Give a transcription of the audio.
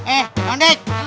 eh jangan dik